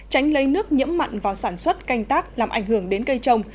tránh lấy nước nhiễm mặn vào sản xuất canh tác làm ảnh hưởng đến cây trồng